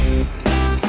ya itu dia